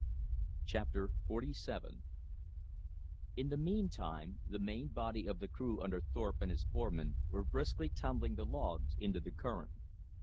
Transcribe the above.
Chapter XLVII In the meantime the main body of the crew under Thorpe and his foremen were briskly tumbling the logs into the current.